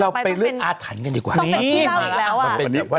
เอาไปกินหน่อยแล้ว